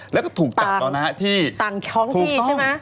ต่างท้องที่ใช่ไหม